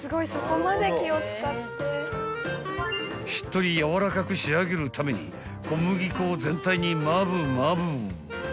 ［しっとりやわらかく仕上げるために小麦粉を全体にまぶまぶ］